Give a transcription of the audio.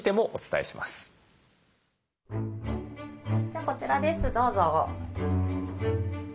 じゃあこちらですどうぞ。